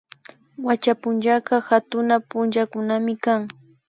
Wacha punllaka hatuna punllakunamikan